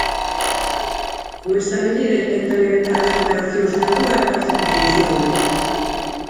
Con esta medida intentan evitar aglomeracións na rúa e parece que funciona.